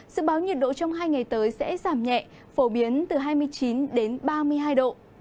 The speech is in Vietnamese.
sự báo nhiệt độ trong hai ngày tới sẽ giảm nhẹ phổ biến từ hai mươi chín đến ba mươi hai độ